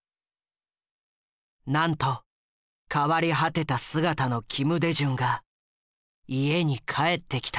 なんと変わり果てた姿の金大中が家に帰ってきた。